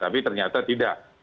tapi ternyata tidak